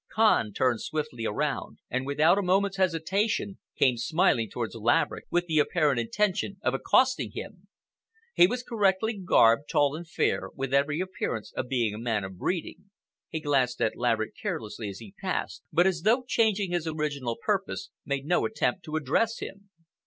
Kahn turned swiftly around and without a moment's hesitation came smiling towards Laverick with the apparent intention of accosting him. He was correctly garbed, tall and fair, with every appearance of being a man of breeding. He glanced at Laverick carelessly as he passed, but, as though changing his original purpose, made no attempt to address him.